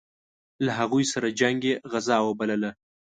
له هغوی سره جنګ یې غزا وبلله.